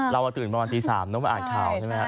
เราตื่นประมาณตี๓แล้วมาอาจข่าวใช่ไหมคะ